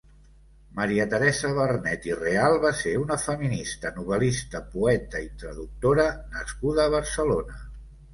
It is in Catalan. Maria Teresa Vernet i Real va ser una feminista, novel·lista, poeta i traductora nascuda a Barcelona.